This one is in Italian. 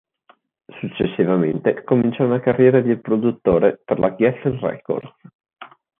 Successivamente comincia una carriera di produttore per la Geffen Records.